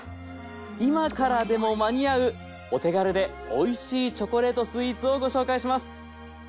今からでも間に合うお手軽でおいしいチョコレートスイーツをご紹介します。